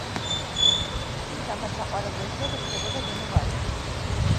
თუმცა მათ საყვარელ ვერსიად რჩებოდა დემო ვარიანტი.